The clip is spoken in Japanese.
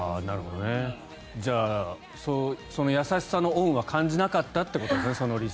じゃあ、その優しさの恩は感じなかったということですね。